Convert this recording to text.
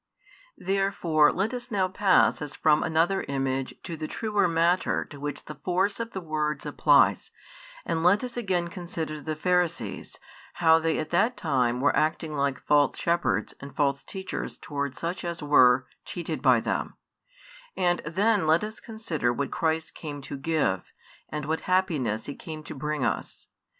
Therefore let us now pass as from another image to the truer matter to which the force of the words applies, and let us again consider the Pharisees, how they at that time were acting like false shepherds and false teachers towards such as were, cheated by them; and then let us consider what Christ came to give, and what happiness He came to bring us.